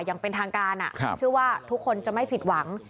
อย่างเป็นทางการเชื่อว่าทุกคนจะไม่ผิดหวัง